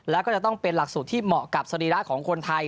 แล้วก็จะต้องเป็นหลักสูตรที่เหมาะกับสรีระของคนไทย